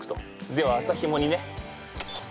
では麻ひもにね。